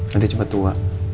nanti cepat tua